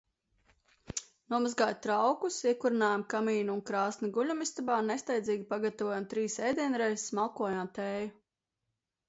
Nomazgāju traukus, iekurinājām kamīnu un krāsni guļamistabā, nesteidzīgi pagatavojām trīs ēdienreizes, malkojām tēju.